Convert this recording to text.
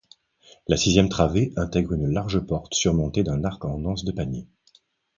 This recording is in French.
La sizième travée intègre une large porte surmontée d'un arc en anse de panier.